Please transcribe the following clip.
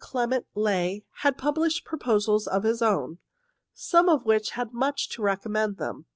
Clement Ley had published proposals of his own, some of which had much to recommend them.